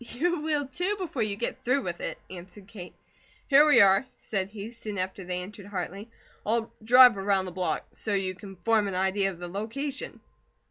"You will, too, before you get through with it," answered Kate. "Here we are!" said he, soon after they entered Hartley. "I'll drive around the block, so you can form an idea of the location."